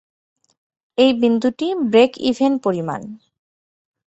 এই বিন্দুটি ব্রেক-ইভেন পরিমাণ।